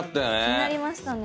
気になりましたね。